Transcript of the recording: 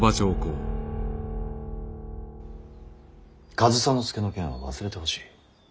上総介の件は忘れてほしい。